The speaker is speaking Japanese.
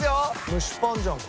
蒸しパンじゃん。